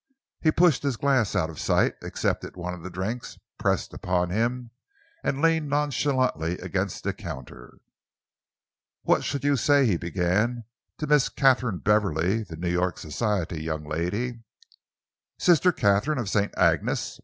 He pushed his glass out of sight, accepted one of the drinks pressed upon him, and leaned nonchalantly against the counter. "What should you say," he began, "to Miss Katharine Beverley, the New York society young lady " "Sister Katharine of St. Agnes's?"